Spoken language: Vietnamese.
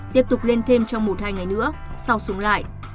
tiếp tục lên thêm trong một hai ngày nữa sau súng lại